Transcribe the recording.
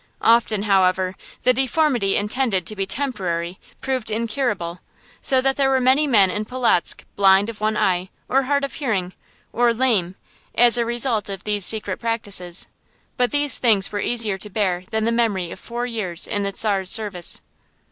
Often, however, the deformity intended to be temporary proved incurable, so that there were many men in Polotzk blind of one eye, or hard of hearing, or lame, as a result of these secret practices; but these things were easier to bear than the memory of four years in the Czar's service.